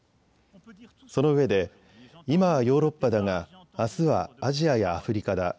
そのうえで今はヨーロッパだがあすはアジアやアフリカだ。